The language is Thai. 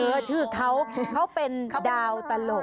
เออชื่อเขาเขาเป็นดาวตลก